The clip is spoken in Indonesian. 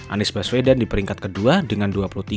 anies baswedan di peringkat kedua dengan dua puluh tiga